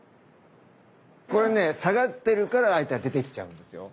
これね下がってるから相手が出てきちゃうんですよ。